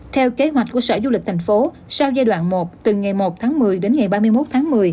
theo kế hoạch của sở du lịch thành phố sau giai đoạn một từ ngày một tháng một mươi đến ngày ba mươi một tháng một mươi